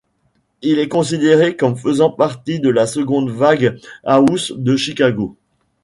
Il est considéré comme faisant partie de la seconde vague house de Chicago.